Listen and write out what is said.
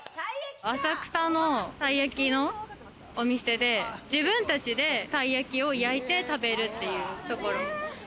浅草のたい焼きのお店で自分たちでたい焼きを焼いて食べるっていうところ。